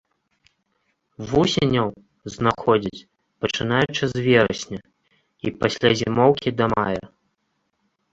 Вусеняў знаходзяць, пачынаючы з верасня, і пасля зімоўкі да мая.